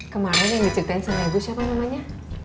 kemarin yang diceritain sama ibu siapa namanya